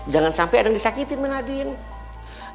jangan sampai ada yang disakitin menadin